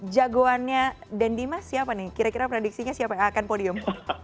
juga minggu jagoannya dandima siapa nih kira kira prediksinya siapa yang akan podium